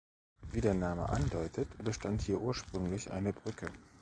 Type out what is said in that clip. Wie der Name andeutet, bestand hier ursprünglich eine Brücke.